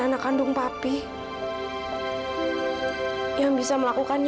anak yang selama dua puluh tahun